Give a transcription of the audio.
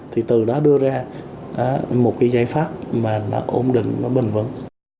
thì từ đó đưa ra một cái giải pháp mà nó ổn định nó bền vững